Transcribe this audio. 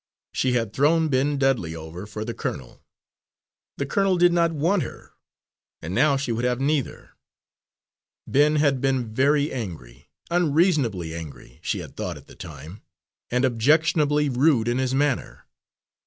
She had thrown Ben Dudley over for the colonel; the colonel did not want her, and now she would have neither. Ben had been very angry, unreasonably angry, she had thought at the time, and objectionably rude in his manner.